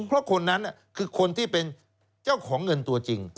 เพราะคนนั้นคือคนที่เป็นเจ้าของเงินตัวจริง